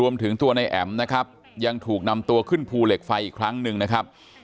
ตัวในแอ๋มนะครับยังถูกนำตัวขึ้นภูเหล็กไฟอีกครั้งหนึ่งนะครับ